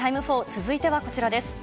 続いてはこちらです。